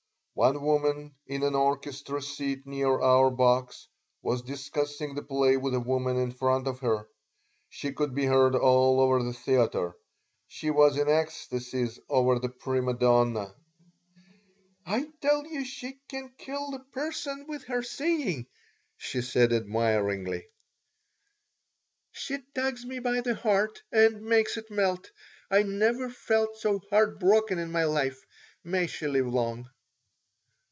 One woman, in an orchestra seat near our box, was discussing the play with a woman in front of her. She could be heard all over the theater. She was in ecstasies over the prima donna "I tell you she can kill a person with her singing," she said, admiringly. "She tugs me by the heart and makes it melt. I never felt so heartbroken in my life. May she live long."